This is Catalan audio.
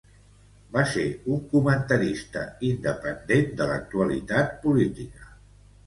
Va ser un comentarista independent de l'actualitat política.